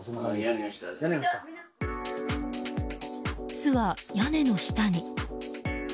巣は屋根の下に。